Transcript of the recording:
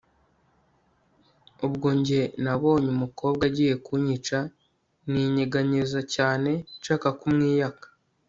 ubwo njye nabonye umukobwa agiye kunyica ninyeganyeza cyane nshaka kumwiyaka